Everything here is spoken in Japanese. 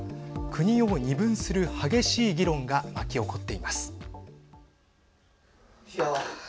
国を二分する激しい議論が巻き起こっています。